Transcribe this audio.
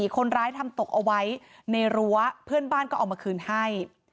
คนร้ายทำตกเอาไว้ในรั้วเพื่อนบ้านก็เอามาคืนให้